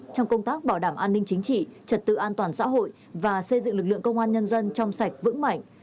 trong công tác bảo đảm an ninh chính trị trật tự an toàn xã hội và xây dựng lực lượng công an nhân dân trong sạch vững mạnh